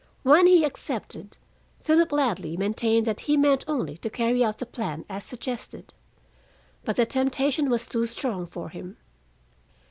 When he accepted, Philip Ladley maintained that he meant only to carry out the plan as suggested. But the temptation was too strong for him.